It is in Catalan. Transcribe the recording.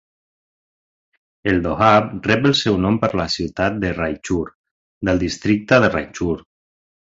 El doab rep el seu nom per la ciutat de Raichur del districte de Raichur.